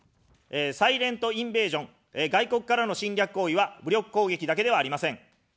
サイレント・インベージョン、外国からの侵略行為は武力攻撃だけではありません。